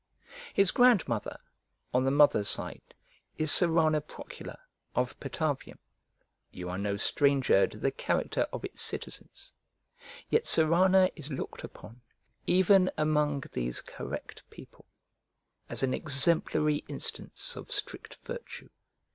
His grandmother, on the mother's side, is Serrana Procula, of Patavium: you are no stranger to the character of its citizens; yet Serrana is looked upon, even among these correct people, as an exemplary instance of strict virtue.